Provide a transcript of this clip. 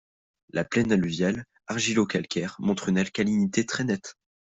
La plaine alluviale, argilo-calcaire, montre une alcalinité très nette.